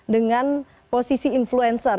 dengan posisi influencer